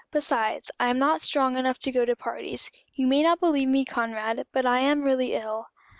Besides, I am not strong enough to go to parties. You may not believe me, Conrad, but I am really ill."